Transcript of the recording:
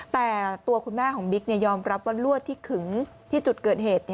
แต่ตัวคุณแม่ของบิ๊กยอมรับว่าลวดที่ขึงที่จุดเกิดเหตุ